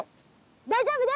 大丈夫です！